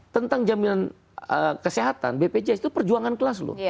tentang jaminan kesehatan bpjs itu perjuangan kelas loh